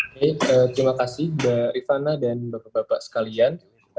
baik terima kasih mbak rifana dan bapak bapak sekalian